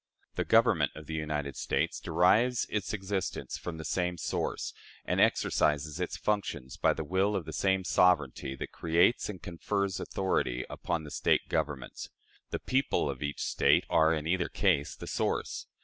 The Government of the United States derives its existence from the same source, and exercises its functions by the will of the same sovereignty that creates and confers authority upon the State governments. The people of each State are, in either case, the source.